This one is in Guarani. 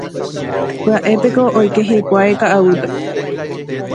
Pya'épeko oike hikuái ka'aguýpe.